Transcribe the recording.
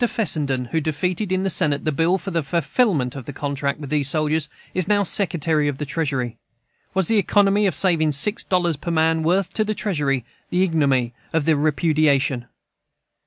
Fessenden, who defeated in the Senate the bill for the fulfillment of the contract with these soldiers, is now Secretary of the Treasury. Was the economy of saving six dollars per man worth to the Treasury the ignominy of the repudiation?